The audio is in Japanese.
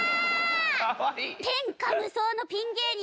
天下無双のピン芸人！